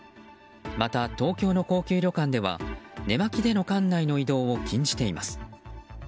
また、東京の高級旅館では寝間着での館内の移動を禁じています。